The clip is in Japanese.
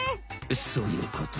そういうこと。